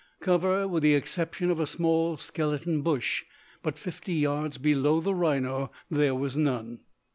Cover, with the exception of a small skeleton bush, but fifty yards below the rhino, there was none.